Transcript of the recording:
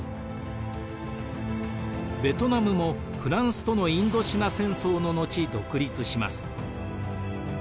ベトナムもフランスとのインドシナ戦争の後独立します。